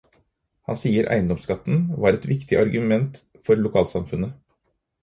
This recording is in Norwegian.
Han sier eiendomsskatten var et viktig argument for lokalsamfunnet.